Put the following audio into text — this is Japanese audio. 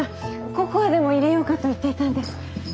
ココアでもいれようかと言っていたんです。